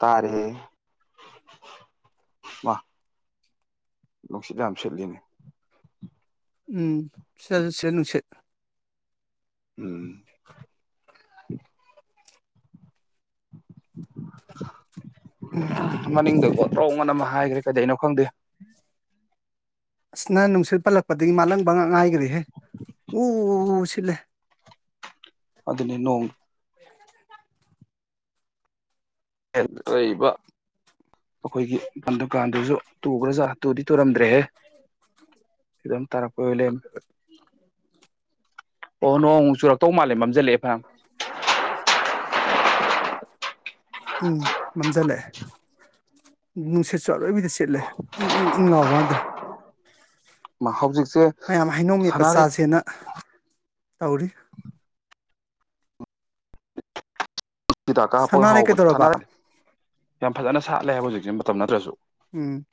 ꯇꯥꯔꯦ ꯃꯥ ꯅꯨꯡꯁꯤꯠ ꯌꯥꯝ ꯁꯤꯠꯂꯤꯅꯦ ꯎꯝ ꯆꯠꯁꯦ ꯅꯨꯡꯁꯤꯠ ꯎꯝ ꯍ ꯃꯅꯤꯡꯗ ꯑꯣꯣꯇ꯭ꯔꯣꯉ ꯑꯃ ꯍꯥꯏꯈ꯭ꯔꯦ ꯀꯩꯗꯩꯅꯣ ꯈꯪꯗꯦ ꯑꯁꯅ ꯅꯨꯡꯁꯤꯠ ꯄꯜꯂꯛꯄꯗꯒꯤ ꯃꯥꯜꯂꯝꯪꯕ ꯉꯉꯥꯏ ꯍꯦ ꯎ ꯄꯤꯂ ꯑꯗꯨꯗꯅꯦ ꯅꯣꯡꯉ [inaudible] ꯕ ꯑꯩꯈꯣꯏꯒꯤ ꯗꯨꯀꯥꯟꯗꯨꯁꯨ ꯇꯨꯈ꯭ꯔꯥꯖꯥꯠ ꯇꯨꯗꯤ ꯇꯨꯔꯝꯗ꯭ꯔꯦꯍꯦꯝ ꯇꯥꯔꯛꯄ ꯄꯣꯏꯂꯦꯝ ꯑꯣ ꯅꯣꯡ ꯆꯨꯔꯛꯇꯧ ꯃꯥꯜꯂꯦ ꯃꯝꯖꯜꯂꯛꯦ ꯝ ꯎꯝ ꯃꯝꯖꯜꯂꯛꯑꯦ ꯅꯨꯡꯁꯤꯠꯁꯨ ꯑꯂꯣꯏꯕꯤꯗ ꯆꯦꯠꯂꯦ ꯏꯪ ꯏꯪ ꯏꯪ ꯉꯥꯎꯕ ꯀꯥꯟꯗ ꯃꯥ ꯁ ꯍꯧꯖꯤ ꯃꯌꯥꯝ ꯍꯩꯅꯣꯡꯃꯤ ꯄꯆꯥꯁꯦꯅ ꯇꯧꯔꯤ ꯤꯗꯥꯛꯀꯥ ꯍꯥꯞꯄꯒ ꯁꯅꯥꯔꯩ ꯍꯥꯎꯕꯅꯦ ꯀꯩꯗꯧꯔꯕ ꯁꯅꯔꯦ ꯐꯖꯅ ꯁꯥꯠꯂꯦ ꯍꯥꯏꯕ ꯍꯧꯖꯤꯛꯁꯦ ꯃꯇꯝ ꯅꯠꯇ꯭ꯔꯁꯨ ꯎꯝ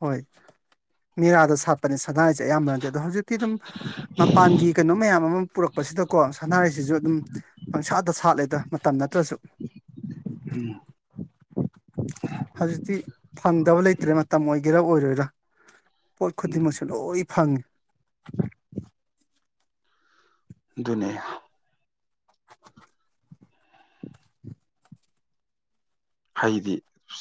ꯍꯣꯏ ꯃꯤꯦꯔꯥꯗ ꯁꯥꯠꯄꯅꯦ ꯁꯅꯥꯔꯤꯁꯦ ꯑꯌꯥꯝꯕ ꯅꯠꯇꯦ ꯑꯗꯣ ꯍꯧꯖꯤꯛꯇꯤ ꯑꯗꯨꯝ ꯃꯄꯥꯟꯒꯤ ꯀꯩꯅꯣ ꯃꯌꯥꯝ ꯑꯃ ꯄꯨꯔꯛꯄꯁꯤꯗꯀꯣ ꯁꯅꯥꯔꯤꯩꯁꯤꯁꯨ ꯑꯗꯨꯝ ꯄꯪꯁꯥꯗ ꯁꯥꯠꯂꯦꯗ ꯃꯇꯝ ꯅꯠꯇ꯭ꯔꯁꯨ ꯍꯧꯖꯤꯛꯇꯤ ꯊ ꯗꯕꯂꯩ ꯇꯦ ꯃꯇꯝ ꯑꯣꯏꯒꯦꯔꯥ ꯑꯣꯏꯔꯣꯏꯔꯥ ꯄꯣꯠ ꯎꯝ ꯈꯨꯗꯤꯡꯃꯛꯁꯨ ꯂꯣꯏ ꯐꯪꯉꯤ ꯅꯌꯥ ꯍꯩꯗꯤ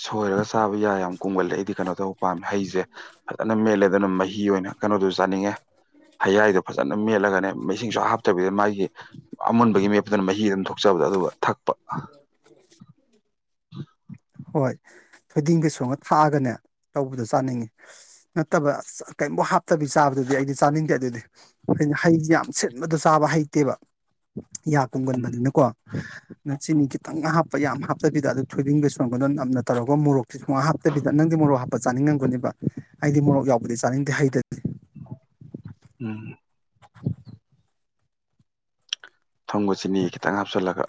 ꯁꯣꯏꯔꯒ ꯆꯥꯕ ꯌꯥꯏ ꯌꯥꯝ ꯀꯨꯡꯒꯜꯗ ꯑꯩꯗꯤ ꯀꯩꯅꯣ ꯇꯧꯕ ꯄꯥꯝꯃꯦ ꯍꯩꯁꯦ ꯐꯖꯅ ꯃꯦꯂꯦ ꯑꯗꯨꯅ ꯃꯍꯤ ꯑꯣꯏꯅ ꯀꯩꯅꯣꯗꯨ ꯆꯥꯅꯤꯡꯉꯦ ꯍꯌꯥꯏꯗꯣ ꯐꯖꯅ ꯃꯦꯠꯂꯒꯅꯤ ꯁꯤꯡ ꯍꯥꯞꯇꯕꯤꯗ ꯃꯥꯒꯤ ꯑꯃꯨꯟꯕꯒꯤ ꯃꯦꯞꯇꯨꯅ ꯃꯍꯤ ꯑꯗꯨꯝ ꯊꯣꯛ ꯆꯠꯂꯦ ꯑꯗꯨꯒ ꯊꯛꯄ ꯍꯣꯏ ꯊꯣꯏꯗꯤꯡ ꯀꯩ ꯁꯣꯉ ꯊꯥꯛꯑꯒꯅꯦ ꯇꯧꯕꯗꯣ ꯆꯥꯅꯤꯡꯉꯤ ꯅꯠꯇꯕ ꯀꯩꯝꯃꯧ ꯍꯥꯞꯇꯕꯤ ꯆꯥꯕꯗꯨꯗꯤ ꯑꯩꯗꯤ ꯆꯥꯅꯤꯡꯗꯦ ꯑꯗꯨꯗꯤ ꯑꯩꯅ ꯍꯩ ꯌꯥꯝ ꯁꯤꯟꯕꯗꯣ ꯆꯥꯕ ꯍꯩꯇꯦꯕ ꯌꯥ ꯎꯝ ꯀꯨꯝꯒꯟꯕꯅꯤꯅꯀꯣ ꯅꯆꯤꯅꯤ ꯈꯤꯇꯪ ꯉ ꯍꯥꯞꯄ ꯌꯥꯝ ꯍꯥꯞꯇꯕꯤꯗ ꯑꯗꯨ ꯊꯣꯏꯕꯤꯟꯒꯁꯨ ꯅ ꯅꯝꯅ ꯇꯧꯔꯒ ꯃꯣꯔꯣꯛ ꯍꯥꯞꯇꯕꯤꯗ ꯅꯪꯗꯤ ꯃꯣꯔꯨ ꯍꯥꯞ ꯆꯥꯅꯤꯡꯉꯝꯒꯅꯦꯕ ꯑꯩꯗꯤ ꯃꯣꯔꯣꯛ ꯌꯥꯎꯕꯗꯤ ꯆꯥꯅꯤꯡꯗꯦ ꯍꯩꯇ ꯎꯝ ꯊꯨꯝꯒ ꯆꯤꯅꯤ ꯈꯤꯇꯪ ꯍꯥꯞꯆꯤꯜꯂꯒ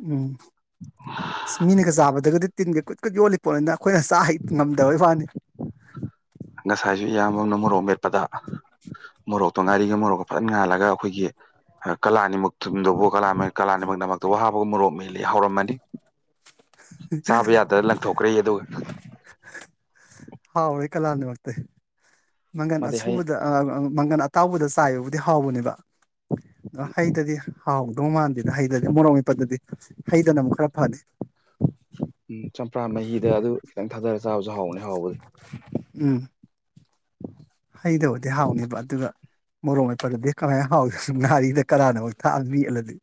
ꯎꯝ ꯑꯁ ꯃꯤꯅꯒ ꯆꯥꯕꯗꯒꯗꯤ ꯇꯤꯟꯒ ꯀꯨꯠ ꯀꯨꯠ ꯌꯣꯜꯂꯤ ꯄꯣꯠꯅꯤꯗ ꯈꯣꯏꯅ ꯆꯥ ꯍꯩ ꯉꯝꯗꯕꯩ ꯋꯥꯅꯤ ꯉꯁꯥꯏꯁꯨ ꯏꯌꯥꯝꯕ ꯑꯃꯅ ꯃꯣꯔꯣꯛ ꯃꯦꯠꯄꯗ ꯃꯣꯔꯣꯛꯇꯣ ꯉꯥꯔꯤꯒ ꯃꯣꯔꯣꯛꯀꯣ ꯐꯖꯅ ꯉꯥꯜꯂꯒ ꯈꯣꯏꯒꯤ ꯀꯂꯥꯅꯤꯃꯛ ꯊꯨꯝꯗꯨꯕꯨ ꯀꯂꯥꯃꯅꯤꯛ ꯀꯂꯥꯅꯤꯃꯛ ꯃꯛꯇꯕꯨ ꯍꯥꯞꯄꯒ ꯃꯣꯔꯣꯛ ꯃꯦꯠꯂꯦꯌꯦ ꯍꯥꯎꯔꯝꯃꯅꯤ ꯆꯥꯕ ꯌꯥꯗꯅ ꯂꯪꯊꯣꯛꯈ꯭ꯔꯦ ꯑꯗꯨꯒ ꯀꯂꯥꯅꯤ ꯑꯣꯏꯔꯇꯦ ꯃꯪꯒꯟ ꯃꯗꯩ ꯍꯩ ꯑꯁꯨꯕꯗ ꯃꯪꯒꯟ ꯑꯇꯥꯎꯕꯗ ꯆꯥꯏꯌꯨ ꯗꯤ ꯍꯥꯎꯕꯅꯦꯕ ꯑ ꯍꯩꯗꯗꯤ ꯍꯥꯎꯗꯧ ꯃꯥꯟꯗꯦꯅ ꯍꯩꯗꯗꯤ ꯃꯣꯔꯣꯛ ꯃꯄꯗꯗꯤ ꯍꯩꯗꯅ ꯑꯃꯨꯛ ꯈꯔ ꯐꯅꯤ ꯎꯝ ꯆꯝꯄ꯭ꯔꯥ ꯃꯍꯤꯗ ꯑꯗꯨ ꯈꯤꯇꯪ ꯊꯥꯗꯔꯁꯤꯦ ꯆꯥꯕꯁꯨ ꯍꯥꯎꯕꯅꯤ ꯍꯥꯎꯕꯗꯤ ꯎꯝ ꯍꯩꯗꯕꯗꯤ ꯍꯥꯎꯅꯦꯕ ꯑꯗꯨꯒ ꯃꯣꯔꯣꯡ ꯃ ꯄꯠꯂꯗꯤ ꯀꯃꯥꯏ ꯍꯥꯎꯏ ꯁ ꯅꯥꯥꯔꯤꯗ ꯀꯔꯥꯅ ꯑꯃꯨꯛ ꯊꯥꯛꯑꯕꯤꯜꯂꯗꯤ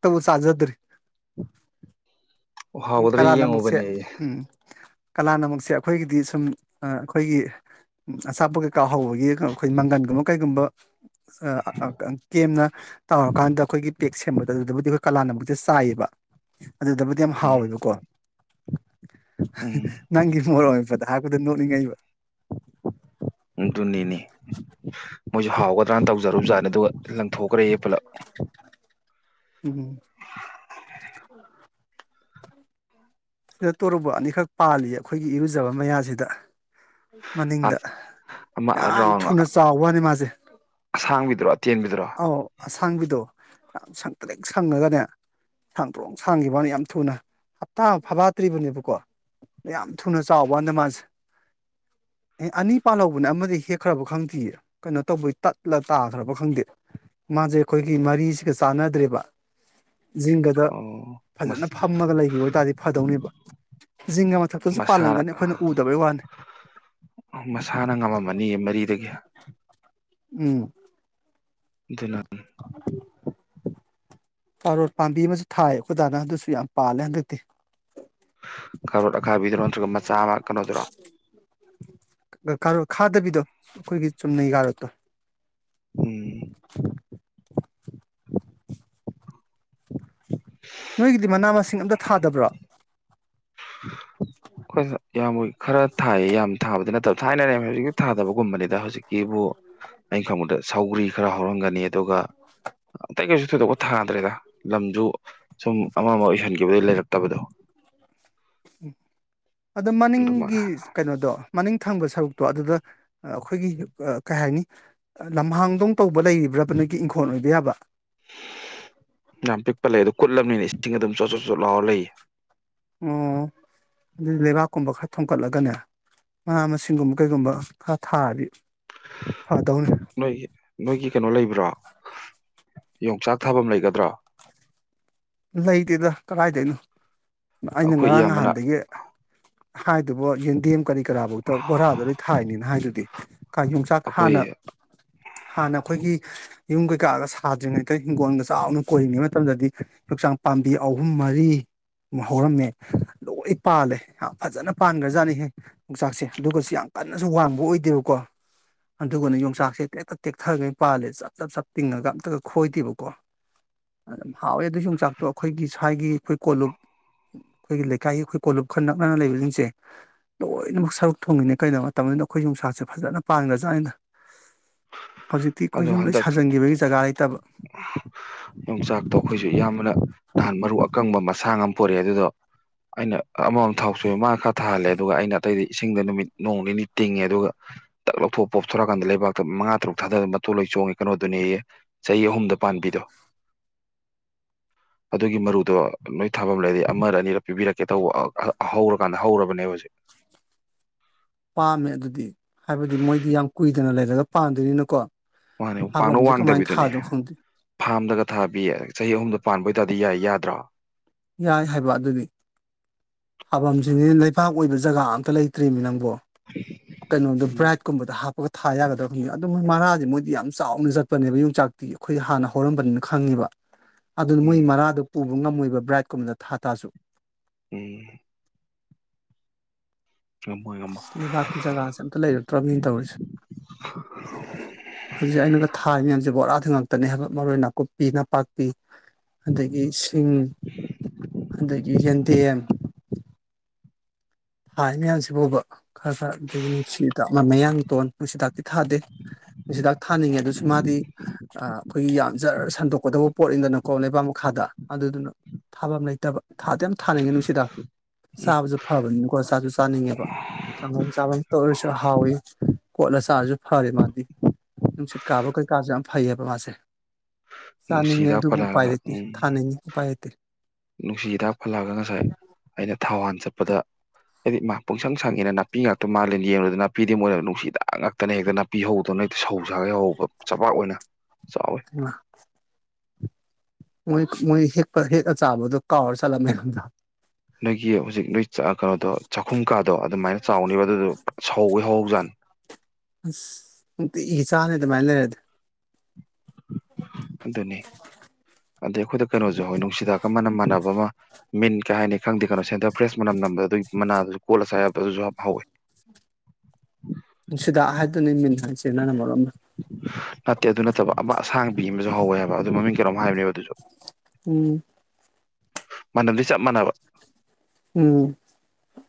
ꯇꯕꯨ ꯁꯥꯖꯗꯔꯤ ꯑꯣ ꯍꯥꯎꯒꯗ꯭ꯔꯥ ꯌꯦꯡꯉꯨꯕꯅꯦ ꯀꯂꯥꯅꯃꯛꯛꯁꯦ ꯑꯩꯈꯣꯏꯒꯤꯗꯤ ꯁꯨꯝ ꯑꯩꯈꯣꯏꯒꯤ ꯑꯆꯥꯄꯣꯠ ꯀꯩꯀꯥ ꯍꯧꯕꯒꯤ ꯑꯩꯈꯣꯏ ꯃꯪꯒꯟꯒꯨꯝꯕ ꯀꯩꯒꯨꯝꯕ ꯀꯦꯝꯅ ꯇꯧꯔꯀꯥꯟꯗ ꯑꯩꯈꯣꯏꯒꯤ ꯄꯦꯛ ꯁꯦꯝꯕꯗ ꯑꯗꯨꯗꯕꯨꯗꯤ ꯑꯩꯈꯣꯏ ꯀꯂꯥꯅꯃꯛꯛꯁꯦ ꯆꯥꯏꯌꯦꯕ ꯑꯗꯨꯗꯕꯨꯗꯤ ꯑꯃ ꯎꯝ ꯍꯥꯎꯋꯦꯕꯀꯣ ꯎꯝ ꯅꯪꯒꯤ ꯃꯣꯔ ꯐꯗ ꯍꯥꯄꯨꯗ ꯅꯣꯛꯅꯤꯡꯉꯩꯕ ꯑꯗꯨꯅꯤꯅꯦ ꯃꯣꯏꯁꯨ ꯍꯥꯎꯒꯗ꯭ꯔꯅ ꯇꯧꯖꯔꯨꯕ ꯖꯥꯠꯅꯦ ꯑꯗꯨꯒ ꯂꯪꯊꯣꯛꯈ꯭ꯔꯦꯌꯦ ꯄꯨꯂꯞ ꯎꯝ ꯎ [unintelligible] ꯁꯤꯗ ꯇꯣꯔꯨꯕ ꯑꯅꯤꯈꯛ ꯄꯥꯜꯂꯤ ꯑꯩꯈꯣꯏꯒꯤ ꯏꯔꯨꯖꯕ ꯃꯌꯥꯁꯤꯗ ꯑꯥ ꯃꯅꯤꯡꯗ ꯑꯃ ꯌꯥꯝ ꯔꯥꯎꯟ ꯊꯨꯅ ꯆꯥꯎ ꯋꯥꯅꯤ ꯃꯥꯁꯦ ꯑꯁꯥꯡꯕꯤꯗꯨꯔꯣ ꯑꯇꯦꯟꯕꯤꯗꯨꯔꯣ ꯑꯧ ꯑꯁꯥꯡꯕꯤꯗꯣ ꯌꯥꯝ ꯁꯪ ꯇ꯭ꯔꯦꯛ ꯁꯪꯉꯒꯅꯦ ꯁꯥꯡꯗ꯭ꯔꯣꯛ ꯁꯥꯡꯈꯤꯕꯅꯤ ꯌꯥꯝ ꯊꯨꯅ ꯍꯞꯇꯥ ꯐꯐꯠꯇ꯭ꯔꯤꯕꯅꯦꯕꯀꯣ ꯌꯥꯝ ꯊꯨꯅ ꯆꯥꯎꯕꯗ ꯃꯥꯁꯦ ꯑꯦ ꯑꯅꯤ ꯄꯥꯜꯍꯧꯕꯅꯦ ꯑꯃꯗꯤ ꯍꯦꯛꯈ꯭ꯔꯕ ꯈꯪꯗꯦ ꯀꯩꯅꯣ ꯇꯧꯕꯩ ꯇꯠꯂ ꯇꯥꯈ꯭ꯔꯕ ꯈꯪꯗꯦ ꯃꯥꯁꯦ ꯑꯩꯈꯣꯏꯒꯤ ꯃꯔꯤꯁꯤꯒ ꯆꯥꯟꯅꯗ꯭ꯔꯦꯕ ꯖꯤꯡꯒꯗ ꯑꯣ ꯐꯖꯅ ꯃꯁꯥ ꯐꯝꯃꯒ ꯂꯩꯈꯤꯕ ꯑꯣꯏꯇꯥꯥꯔꯗꯤ ꯕ ꯖꯤꯡ ꯃꯊꯛꯇꯁꯨ ꯃꯁꯥꯅ ꯄꯥꯜꯂꯝꯒꯅꯤ ꯑꯩꯈꯣꯏꯅ ꯎꯗꯕꯩ ꯋꯥꯅꯤ ꯃꯁꯥꯅ ꯉꯝꯃꯝꯃꯅꯤꯌꯦ ꯃꯔꯤꯗꯒꯤ ꯎꯝ ꯗꯨꯂꯃꯤ ꯀꯥꯔꯣꯠ ꯄꯥꯝꯕꯤ ꯑꯃꯁꯨ ꯊꯥꯏ ꯑꯩꯈꯣꯏꯗꯥꯅ ꯑꯗꯨꯁꯨ ꯌꯥꯝ ꯄꯥꯜꯂꯦ ꯍꯟꯗꯛꯇꯤ ꯀꯥꯔꯣꯠ ꯑꯈꯥꯕꯤꯗꯔꯣ ꯅꯠꯇ꯭ꯔꯒ ꯃꯆꯥ ꯑꯃ ꯀꯩꯅꯣꯗꯨꯔ ꯥ ꯈꯥꯗꯕꯤꯗꯣ ꯑꯩꯈꯣꯏꯒꯤ ꯆꯨꯝꯅꯩ ꯀꯥꯔꯣꯠꯇꯣ ꯎꯝ [inaudible] ꯅꯣꯏꯒꯤꯗꯤ ꯃꯅꯥ ꯃꯁꯤꯡ ꯑꯝꯇ ꯊꯥꯗꯕ꯭ꯔꯣ [unintelligible] ꯍꯣꯏ ꯁꯥ ꯌꯥꯝ ꯈꯔ ꯊꯥꯏꯑ ꯌꯥꯝ ꯊꯥꯕꯗꯤ ꯅꯠꯇꯕ ꯊꯥꯏꯅꯔꯦ ꯍꯧꯖꯤꯛꯀꯤ ꯊꯥꯗꯕꯒꯨꯝꯕꯅꯤꯗ ꯍꯧꯖꯤꯛꯀꯤ ꯀꯤꯕꯨ ꯑꯩꯅ ꯈꯪꯕꯗ ꯁꯥꯎꯒ꯭ꯔꯤ ꯈꯔ ꯍꯧꯔꯝꯒꯅꯤ ꯑꯗꯨꯒ ꯑꯇꯩ ꯀꯩꯁꯨ ꯊꯣꯏꯗꯣꯛꯄ ꯊꯥꯗ꯭ꯔꯦꯗ ꯂꯝꯁꯨ ꯁꯨꯝ ꯑꯃ ꯑꯃ ꯑꯣꯏꯁꯤꯟꯈꯤꯕꯗꯒꯤ ꯂꯩꯔꯛꯇꯕꯗꯣ ꯎꯝ ꯑꯗꯣ ꯃꯅꯤꯡꯒꯤ ꯑꯗꯨꯃꯥꯏꯅ ꯀꯩꯅꯣꯗꯣ ꯃꯅꯤꯡ ꯊꯪꯕ ꯁꯔꯨꯛꯇꯣ ꯑꯗꯨꯗ ꯑꯩꯈꯣꯏꯒꯤ ꯀꯩ ꯍꯥꯏꯅꯤ ꯂꯝꯍꯥꯡꯗꯧ ꯇꯧꯕ ꯂꯩꯔꯤꯕ꯭ꯔꯕꯅꯒꯤ ꯏꯪꯈꯣꯜ ꯑꯣꯏꯕ ꯌꯥꯕ ꯌꯥꯝ ꯄꯤꯛꯄ ꯂꯩ ꯑꯗꯨ ꯀꯨꯠꯂꯕꯅꯤꯅ ꯏꯁꯤꯡ ꯑꯗꯨꯝ ꯆꯣꯠ ꯆꯣꯠ ꯆꯣꯠ ꯂꯥꯎ ꯂꯩ ꯑꯣ ꯑꯗꯨꯗꯤ ꯂꯩꯕꯥꯛꯀꯨꯝꯕ ꯈꯔ ꯊꯣꯀꯠꯂꯒꯅꯦ ꯃꯅꯥ ꯃꯁꯤꯡꯒꯨꯝꯕ ꯀꯩꯒꯨꯝꯕ ꯈꯔ ꯊꯥꯔꯗꯤ ꯐꯗꯧꯅꯤ ꯅꯣꯏꯒꯤ ꯅꯣꯏꯒꯤ ꯀꯩꯅꯣ ꯂꯩꯕ꯭ꯔꯥ ꯌꯣꯡꯆꯥꯛ ꯊꯥꯐꯝ ꯂꯩꯒꯗ꯭ꯔꯥ ꯂꯩꯇꯦꯗ ꯀꯗꯥꯥꯏꯗꯣꯏꯅꯣ ꯑꯩꯅ ꯑꯩꯈꯣꯏ ꯉꯔꯥꯡ ꯏꯌꯥꯝꯕꯅ ꯅꯍꯥꯟꯗꯒꯤ ꯍꯥꯏꯗꯨꯕ ꯌꯦꯟꯗꯦꯝ ꯀꯔꯤ ꯀꯔꯥꯐꯧꯗ ꯕꯣꯔꯥꯗ ꯂꯣꯏ ꯊꯥꯏꯅꯤꯅ ꯍꯥꯏꯗꯨꯗꯤ ꯀꯥ ꯌꯣꯡꯆꯥꯛ ꯑꯩꯈꯣꯏ ꯍꯥꯟꯅ ꯍꯥꯟꯅ ꯑꯩꯈꯣꯏꯒꯤ ꯌꯨꯝ ꯀꯩꯀꯥꯒ ꯁꯥꯗ꯭ꯔꯤꯉꯩꯗ ꯍꯤꯡꯒꯣꯜꯒ ꯆꯥꯎꯅ ꯀꯣꯏꯔꯤꯉꯩ ꯃꯇꯝꯗꯗꯤ ꯌꯣꯡꯆꯥꯛ ꯄꯥꯝꯕꯤ ꯑꯍꯨꯝ ꯃꯔꯤ ꯍꯧꯔꯝꯃꯦ ꯂꯣꯏ ꯄꯥꯜꯂꯦ ꯌꯥꯝ ꯐꯖꯅ ꯄꯥꯟꯈ꯭ꯔꯖꯥꯠꯅꯤꯍꯦ ꯌꯣꯡꯆꯥꯛꯁꯦ ꯑꯗꯨꯒꯁꯨ ꯌꯥꯝ ꯀꯟꯅꯁꯨ ꯋꯥꯡꯕ ꯑꯣꯏꯗꯦꯕꯀꯣ ꯑꯗꯨꯒꯅ ꯌꯣꯡꯆꯥꯛꯁꯦ ꯇꯦꯛꯇ ꯇꯦꯛꯊꯔꯒꯩ ꯄꯥꯜꯂꯦ ꯆꯞ ꯆꯞ ꯆꯞ ꯇꯤꯡꯉꯒ ꯑꯝꯇꯒ ꯈꯣꯏꯗꯦꯕꯀꯣ ꯑꯗꯨꯝ ꯍꯥꯎꯋꯦ ꯑꯗꯨ ꯌꯣꯡꯆꯥꯛ ꯆꯥꯛꯇꯣ ꯑꯩꯈꯣꯏꯒꯤ ꯁ꯭ꯋꯥꯏꯒꯤ ꯑꯩꯈꯣꯏ ꯀꯣꯂꯨꯞ ꯑꯩꯈꯣꯏꯒꯤ ꯂꯩꯀꯥꯏꯒꯤ ꯑꯩꯈꯣꯏ ꯀꯣꯂꯨꯞ ꯈꯔ ꯅꯛꯅꯅ ꯂꯩꯕꯁꯤꯡꯁꯦ ꯂꯣꯏꯅꯃꯛ ꯁꯔꯨꯛ ꯊꯣꯡꯉꯤꯅꯦ ꯀꯩꯅꯣ ꯃꯇꯝꯗꯨꯗ ꯑꯩꯈꯣꯏ ꯌꯣꯡꯆꯥꯛꯁꯦ ꯐꯖꯅ ꯄꯥꯡꯅ ꯆꯥꯠꯅꯤꯗ ꯍꯧꯖꯤꯛꯇꯤ ꯑꯗꯣ ꯀꯣꯏꯁꯨꯝꯗꯣꯏ ꯍꯟꯗꯛ ꯁꯥꯖꯟꯈꯤꯕꯒꯤ ꯖꯒꯥ ꯂꯩꯇꯕ ꯌꯣꯡꯆꯥꯛꯇꯣ ꯑꯩꯈꯣꯏꯁꯨ ꯏꯌꯥꯝꯕ ꯅꯍꯥꯟ ꯃꯔꯨ ꯑꯀꯪꯕ ꯃꯁꯥꯡ ꯑꯃ ꯄꯨꯔꯛꯑꯦ ꯑꯗꯨꯗꯣ ꯑꯩꯅ ꯑꯃꯃꯝ ꯊꯥꯎꯁꯨ ꯃꯥꯅ ꯈꯔ ꯊꯥꯍꯜꯂꯦ ꯑꯗꯨꯒ ꯑꯩꯅ ꯑꯇꯩꯗꯤ ꯏꯁꯤꯡꯗ ꯅꯨꯃꯤꯠ ꯅꯣꯡ ꯅꯤꯅꯤ ꯇꯤꯡꯉꯦ ꯑꯗꯨꯒ ꯇꯛ ꯂꯧꯊꯣꯛ ꯄꯣꯞꯊꯣꯔꯛꯀꯥꯟꯗ ꯂꯩꯕꯥꯛꯇ ꯃꯉꯥ ꯇꯔꯨꯛ ꯊꯥꯗ ꯃꯇꯨ ꯂꯣꯏ ꯆꯣꯡꯉꯦ ꯀꯩꯅꯣꯗꯨꯅꯤꯑꯦ ꯆꯍꯤ ꯑꯍꯨꯝꯗ ꯄꯥꯟꯕꯤꯗꯣ ꯑꯗꯨꯒꯤ ꯃꯔꯨꯗꯣ ꯅꯣꯏ ꯊꯥꯐꯝ ꯂꯩꯔ ꯑꯃꯔ ꯑꯅꯤꯔ ꯄꯤꯕꯤꯔꯛ ꯀꯩ ꯇꯧꯕ ꯍꯧꯔꯀꯥꯟꯗ ꯍꯧꯔꯕ ꯅꯦꯕ ꯄꯥꯝꯃꯦ ꯑꯗꯨꯗꯤ ꯍꯥꯏꯕꯗꯤ ꯃꯣꯏꯗꯤ ꯌꯥꯝ ꯀꯨꯏꯗꯅ ꯂꯩꯔꯒ ꯄꯥꯝꯗꯣꯏꯅꯤꯅꯀꯣ ꯃꯥꯅꯦ ꯄꯥꯛꯅ ꯋꯥꯡꯗꯕꯤꯗꯨꯅꯦ ꯈꯪꯗꯦ ꯐꯥꯝꯗꯒ ꯊꯥꯕꯤ ꯆꯍꯤ ꯑꯍꯨꯝꯗ ꯄꯥꯟꯕ ꯑꯣꯏꯇꯥꯔꯗꯤ ꯌꯥꯏ ꯌꯥꯗ꯭ꯔꯥ ꯌꯥꯏ ꯍꯥꯏꯕ ꯑꯗꯨꯗꯤ ꯊꯥꯐꯝꯁꯤꯗꯤꯕꯥꯛ ꯑꯣꯏꯕ ꯖꯒꯥ ꯑꯝꯇ ꯂꯩꯇ꯭ꯔꯤꯃꯤ ꯅꯪꯕꯣ ꯀꯩꯅꯣꯗꯣ ꯎꯝ ꯕꯥꯏꯠꯀꯨꯝꯕꯗ ꯍꯥꯞꯄꯒ ꯊꯥ ꯌꯥꯒꯗ꯭ꯔꯕ ꯈꯪꯉ ꯑꯗꯨ ꯃꯣꯏ ꯃꯔꯥꯁꯦ ꯃꯣꯏꯗꯤ ꯌꯥꯝ ꯆꯥꯎꯅ ꯆꯠꯄꯅꯦꯕ ꯌꯣꯡꯆꯥꯛꯇꯤ ꯑꯩꯈꯣꯏ ꯍꯥꯟꯅ ꯍꯧꯔꯝꯕꯅꯤꯅ ꯈꯪꯉꯦꯕ ꯑꯗꯨꯅ ꯃꯣꯏ ꯎꯝ ꯃꯔꯥꯗ ꯄꯨ ꯉꯝꯃꯣꯏꯕ ꯕ꯭ꯔꯥꯏꯠꯀꯨꯝꯕꯗ ꯊꯥ ꯇꯥꯖꯨ ꯎꯝ ꯉꯝꯃꯣꯏ ꯉꯝꯃꯣꯏ ꯂꯩꯕꯥꯛꯀꯤ ꯖꯒꯥꯁꯦ ꯑꯝꯇ ꯂꯩꯔꯛꯇ꯭ꯔꯕꯅꯤꯅ ꯇꯧꯔꯤꯁꯦ ꯍꯧꯖꯤꯛ ꯑꯩꯅꯗ ꯊꯥꯏꯅꯦꯁꯦ ꯕꯣꯔꯥ ꯉꯥꯛꯇꯅꯦ ꯍꯥꯏꯕ ꯃꯔꯣꯏ ꯅꯥꯀꯨꯞꯄꯤ ꯅꯄꯥꯛꯄꯤ ꯑꯗꯒꯤ ꯆꯤꯡ ꯑꯗꯒꯤ ꯌꯦꯟꯗꯦꯝ ꯊꯥꯏ ꯃꯌꯥꯝꯁꯤ ꯐꯥꯎꯕ ꯈꯔ ꯈꯔ ꯑꯗꯨꯗꯒꯤ ꯅꯨꯡꯁꯤꯗꯥꯛ ꯃꯌꯥꯡꯇꯣꯟ ꯅꯨꯡꯁꯤꯗꯥꯛꯇꯤ ꯊꯥꯗꯦ ꯅꯨꯡꯁꯤꯗꯥꯛ ꯊꯥꯅꯤꯡꯉꯦ ꯑꯗꯨꯁꯨ ꯃꯥꯗꯤ ꯑꯩꯈꯣꯏꯒꯤ ꯌꯥꯝ ꯖꯔ ꯁꯟꯗꯣꯛꯀꯗꯧꯕ ꯄꯣꯠꯅꯤꯗꯅꯀꯣ ꯂꯩꯕꯥꯛ ꯃꯈꯥꯗ ꯑꯗꯨꯗꯨꯅ ꯊꯥꯐꯝ ꯂꯩꯇꯕ ꯊꯥꯗꯤ ꯌꯥꯝ ꯊꯥꯅꯤꯡꯉꯦ ꯅꯨꯡꯁꯤꯗꯥꯛꯇꯤ ꯆꯥꯕꯁꯨ ꯐꯕꯅꯤꯅ ꯀꯣ ꯆꯥꯁꯨ ꯆꯥꯅꯤꯡꯉꯦꯕ ꯀꯥꯡꯉꯧ ꯆꯥꯕꯇ ꯇꯧꯔꯁꯨ ꯍꯥꯎꯋꯤ ꯀꯣꯠꯂ ꯆꯥꯔꯁꯨ ꯐꯔꯦ ꯃꯥꯗꯤ ꯅꯨꯡꯁꯤꯠ ꯀꯥꯕ ꯀꯩꯀꯥꯁꯨ ꯌꯥꯝ ꯐꯩꯌꯦꯕ ꯃꯥꯁꯦ ꯅꯨꯡꯁꯤ ꯆꯥꯅꯤꯡꯉꯦ ꯍꯤꯗꯥꯛ ꯑꯗꯨꯕꯨ ꯎꯄꯥꯏ ꯄꯜꯂꯛꯑꯒ ꯂꯩꯇꯦ ꯎꯝ ꯊꯥꯅꯤꯡꯉꯤ ꯎꯄꯥꯏ ꯂꯩꯇꯦ ꯅꯨꯡꯁꯤ ꯍꯤꯗꯥꯛ ꯄꯜꯂꯛꯑꯒ ꯉꯁꯥꯏ ꯑꯩꯅ ꯑꯩꯅ ꯊꯧꯋꯥꯟ ꯆꯠꯄꯗ ꯍꯥꯏꯗꯤ ꯃꯥ ꯄꯨꯡꯁꯪ ꯁꯪꯉꯦꯅ ꯅꯥꯄꯤ ꯉꯥꯛꯇ ꯃꯥꯂꯦ ꯌꯦꯡꯕꯨꯗ ꯅꯥꯄꯤꯗꯤ ꯃꯣꯏꯅ ꯅꯨꯡꯁꯤꯗ ꯉꯥꯛꯇꯅꯦ ꯍꯦꯛꯇ ꯅꯥꯄꯤ ꯍꯧꯗꯧꯅ ꯍꯦꯛꯇ ꯁꯧ ꯁꯥꯒꯦ ꯍꯧꯕ ꯆꯕꯥꯛ ꯑꯣꯏꯅ ꯆꯥꯎꯋꯦ ꯑ ꯃꯣꯏ ꯃꯣꯏ ꯍꯦꯛ ꯍꯦꯛ ꯆꯥꯕꯗ ꯀꯧꯔ ꯖꯥꯠꯂ ꯃꯌꯥꯝꯗꯣ ꯅꯣꯏꯒꯤ ꯍꯧꯖꯤꯛ ꯅꯣꯏ ꯀꯩꯅꯣꯗꯣ ꯆꯥꯛꯈꯨꯝ ꯀꯥꯗꯣ ꯑꯗꯨꯃꯥꯏꯅ ꯆꯥꯎꯅꯦꯕ ꯑꯗꯨꯗꯣ ꯁꯧꯋ ꯍꯧꯍꯧ ꯖꯥꯠꯅꯦ ꯑꯁ ꯅꯨꯡꯇꯤꯒꯤ ꯆꯥꯅꯦ ꯑꯗꯨꯃꯥꯏ ꯂꯩꯔꯗꯤ ꯑꯗꯨꯅꯤ ꯑꯗꯩ ꯑꯩꯈꯣꯏꯗ ꯀꯩꯅꯣꯁꯨ ꯍꯣꯏ ꯅꯨꯡꯁꯤꯗꯥꯛꯀ ꯅꯃꯝ ꯃꯟꯅꯕ ꯃꯤꯟ ꯀꯩ ꯍꯥꯏꯅꯤ ꯈꯪꯗꯦ ꯀꯩꯅꯣ ꯁꯦꯟꯇꯔ ꯐ꯭ꯔꯦꯁ ꯃꯅꯝ ꯅꯝꯕ ꯑꯗꯨꯒꯤ ꯃꯅꯥꯗꯁꯨ ꯀꯣꯠꯂ ꯆꯥꯕꯥ ꯌꯕꯗꯣꯗꯨꯁꯨ ꯍꯧꯋꯤ ꯅꯨꯡꯁꯤꯗ ꯍꯥꯏꯗꯨꯅꯤ ꯃꯤꯟ ꯍꯥꯏꯁꯦ ꯅꯪꯅ ꯃꯔꯣꯝꯃ ꯍ ꯅꯠꯇꯦ ꯑꯗꯨ ꯅꯠꯇꯕ ꯑꯃ ꯑꯁꯥꯡꯕꯤ ꯑꯃꯁꯨ ꯍꯧꯋꯦ ꯍꯥꯏꯕ ꯑꯗꯨ ꯃꯃꯤꯡ ꯀꯔꯝ ꯍꯥꯏꯕꯅꯦꯕ ꯑꯗꯨꯁꯨ ꯎꯝ ꯃꯅꯝꯗꯤ ꯆꯞ ꯃꯥꯟꯅꯕ ꯎꯝ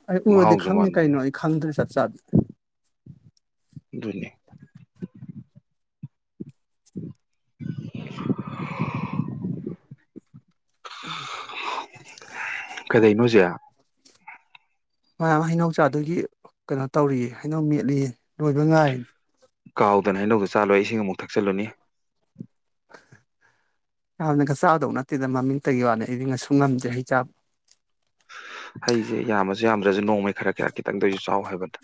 ꯑꯩ ꯎꯔꯗꯤ ꯃꯍꯥꯎꯁꯨ ꯈꯪꯉꯤ ꯀꯩꯅꯣ ꯃꯥꯟꯅꯣꯅꯦ ꯑꯩ ꯈꯪꯗ꯭ꯔꯦ ꯆꯠ ꯆꯠ ꯅꯤ [inaudible] [inaudible] ꯀꯗꯩꯩꯅꯣꯁꯦ ꯃꯌꯥꯝ ꯍꯩꯅꯧ ꯆꯥꯗꯨꯒꯤ ꯀꯩꯅꯣ ꯇꯧꯔꯤ ꯍꯩꯅꯧ ꯃꯦꯠꯂꯤ ꯂꯣꯏꯕ ꯉꯥꯏꯔꯤꯅꯤ ꯀꯥꯎꯗꯅ ꯍꯩꯅꯧꯗ ꯆꯥꯜꯂꯣꯏ ꯏꯁꯤꯡ ꯑꯃꯨꯛ ꯊꯛꯆꯤꯜꯂꯨꯅꯤ ꯌꯥꯝꯅꯒ ꯆꯥꯗꯧ ꯅꯠꯇꯦꯗ ꯃꯃꯤꯡꯇꯒꯤ ꯋꯥꯅꯤ ꯑꯩꯗꯤ ꯉꯁꯨ ꯉꯝꯗ꯭ꯔꯦ ꯍꯩ ꯆꯥꯕ ꯍꯩꯁꯦ ꯌꯥꯝꯃꯁꯨ ꯌꯥꯝꯗ꯭ꯔꯁꯨ ꯅꯣꯡꯃꯩ ꯈꯔ ꯀꯌꯥ ꯈꯤꯇꯪꯗꯁꯨ ꯆꯥꯎ ꯍꯥꯏꯕꯗ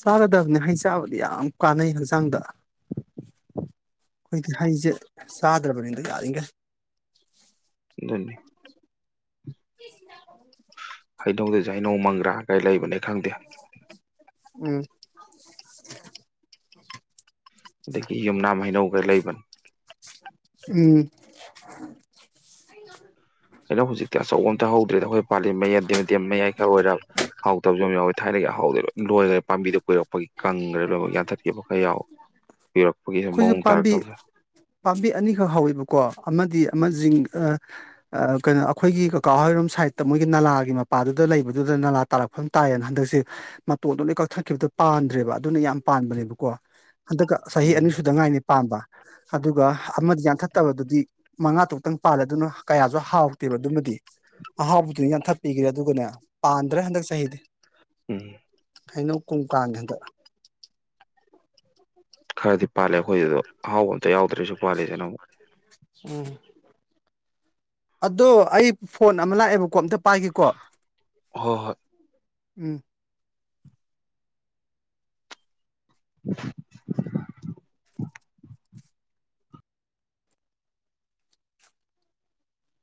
ꯆꯥꯒꯗꯕꯅꯤ ꯍꯩ ꯆꯥꯕꯗꯤ ꯌꯥꯝ ꯀꯥꯟꯅꯩ ꯍꯛꯆꯥꯡꯗ ꯍꯧꯖꯤꯣꯏꯛꯇ ꯍꯩꯁꯦ ꯆꯥꯗ꯭ꯔꯕꯅꯤꯗ ꯌꯥꯔꯤꯈꯩ ꯍꯥꯏꯗꯗ ꯩꯅꯣꯡ ꯃꯪꯒ꯭ꯔꯥ ꯀꯩ ꯂꯩꯕꯅꯦ ꯈꯪꯗꯦ ꯎꯝ ꯑꯗꯒꯤ ꯌꯨꯝꯅꯥꯝ ꯍꯩꯅꯧꯒ ꯂꯩꯕꯅꯤ ꯎ ꯑꯩꯅ ꯍꯧꯖꯤꯛꯇꯤ ꯑꯆꯧꯕ ꯑꯝꯇ ꯍꯧꯗ꯭ꯔꯦꯗ ꯑꯩꯈꯣꯏ ꯄꯥꯜꯂꯤ ꯃꯌꯥ ꯗꯦꯝꯗꯦꯝ ꯃꯌꯥꯏ ꯈꯔ ꯑꯣꯏꯔ ꯍꯥꯎ ꯇꯕꯁꯨ ꯌꯥꯝ ꯌꯥꯎꯋꯤ ꯊꯥꯏꯅꯒꯤ ꯑꯍꯥꯎꯗꯤ ꯂꯣꯏ ꯂꯣꯏꯈ꯭ꯔꯦ ꯄꯥꯝꯗꯨꯗ ꯀꯨꯏꯔꯛꯄꯒꯤ ꯀꯪꯈ꯭ꯔꯦ ꯂꯣꯏꯅꯃꯛ ꯌꯥꯟꯊꯠꯈꯤꯕ ꯈꯔ ꯌꯥꯎꯋꯤ ꯑꯩꯈꯣꯏꯁꯨ ꯄꯥꯝꯕꯤ ꯄꯥꯝꯕꯤ ꯑꯅꯤꯈꯛ ꯍꯧꯋꯦꯕꯀꯣ ꯑꯃꯗꯤ ꯑꯃ ꯀꯩꯅꯣ ꯑꯩꯈꯣꯏꯒꯤ ꯀꯀꯥ ꯍꯔꯣꯝ ꯁꯥꯏꯗꯠꯇ ꯃꯣꯏꯒꯤ ꯅꯥꯂꯥꯒꯤ ꯃꯄꯥꯗꯨꯗ ꯂꯩꯕꯗꯨꯗ ꯂꯥ ꯇꯥꯔꯛꯐꯝ ꯇꯥꯏꯌꯦꯅ ꯍꯟꯗꯛꯁꯦ ꯃꯇꯣꯟꯗꯨꯣ ꯂ ꯀꯛꯊꯠꯈꯤꯕꯗꯣ ꯄꯥꯟꯗ꯭ꯔꯦꯕ ꯑꯗꯨꯅ ꯌꯥꯝ ꯄꯥꯟꯕꯅꯦꯕꯀꯣ ꯑ ꯎꯝ ꯆꯍꯤꯍꯤ ꯄ ꯑꯗꯨꯒ ꯑꯃꯗꯤ ꯌꯥꯟꯊꯠꯇꯕꯗꯨꯗꯤ ꯃꯉꯥ ꯇꯨꯛꯇꯪ ꯄꯥꯜꯂꯦ ꯑꯗꯨꯅ ꯀꯌꯥꯁꯨ ꯍꯥꯎꯇꯦꯕ ꯑꯗꯨꯃꯗꯤ ꯑꯍꯥꯎꯕꯗꯨꯅ ꯌꯥꯟꯊꯠꯄꯤꯈ꯭ꯔꯦ ꯑꯗꯨꯒꯅꯦ ꯄꯥꯟꯗ꯭ꯔꯦ ꯍꯟꯗꯛ ꯆꯍꯤꯗꯤ ꯎꯝ ꯀꯩꯅꯣ ꯀꯨꯡ ꯀꯥꯡꯥꯟꯒꯦ ꯍꯟꯗ ꯈꯔꯗ ꯄꯥꯜꯂꯦ ꯑꯩꯈꯣꯏꯁꯤꯗꯣ ꯑꯍꯥꯎꯕ ꯑꯝꯇ ꯌꯥꯎꯗ꯭ꯔꯁꯨ ꯄꯥꯜꯂꯤꯁꯤꯅ ꯑꯃꯨꯛ ꯑꯗꯣ ꯑꯩ ꯐꯣꯟ ꯑꯃ ꯂꯥꯛꯑꯦꯕꯀꯣ ꯑꯝꯇ ꯄꯥꯏꯒꯦꯀꯣ ꯍꯣꯏ ꯍꯣꯏ ꯎꯝ [inaudible]